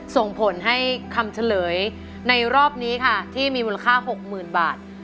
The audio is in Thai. ส่งผลให้คำเฉลยในรอบนี้ค่ะที่มีมูลค่า๖๐๐๐บาท